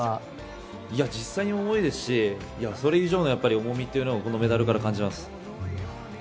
実際に重いですしそれ以上の重みというのをこのメダルから感じます。